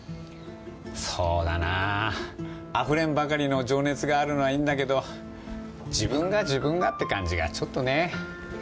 そうだなあふれんばかりの情熱があるのはいいんだけど自分が自分がって感じがちょっとね。